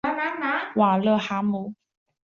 瓦勒海姆。